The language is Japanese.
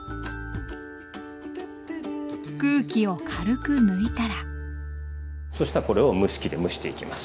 空気を軽く抜いたらそしたらこれを蒸し器で蒸していきます。